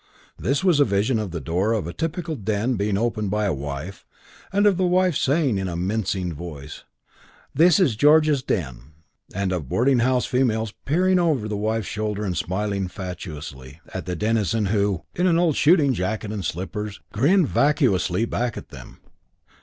This was a vision of the door of a typical den being opened by a wife, and of the wife saying in a mincing voice, "This is George in his den," and of boarding house females peering over the wife's shoulder and smiling fatuously at the denizen who, in an old shooting jacket and slippers, grinned vacuously back at them.